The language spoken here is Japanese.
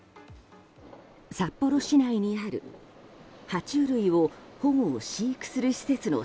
札幌市内にある爬虫類を保護・飼育する施設の